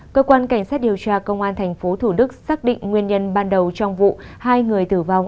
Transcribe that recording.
cơ quan cảnh sát điều tra công an tp thủ đức xác định nguyên nhân ban đầu trong vụ hai người tử vong